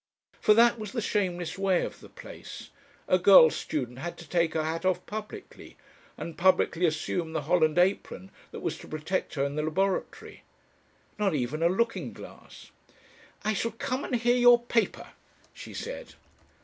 For that was the shameless way of the place, a girl student had to take her hat off publicly, and publicly assume the holland apron that was to protect her in the laboratory. Not even a looking glass! "I shall come and hear your paper," she said.